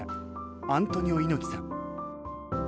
アントニオ猪木さん。